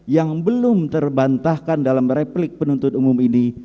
yang belum terbantahkan dalam replik penuntut umum ini